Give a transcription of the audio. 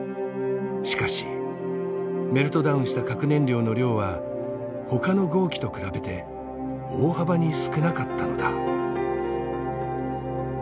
しかしメルトダウンした核燃料の量はほかの号機と比べて大幅に少なかったのだ。